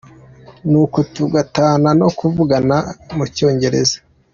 Nuko tugatana no kuvugana mu Cyongereza.